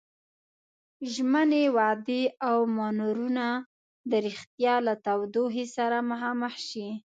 ژمنې، وعدې او مانورونه د ريښتيا له تودوخې سره مخامخ شي.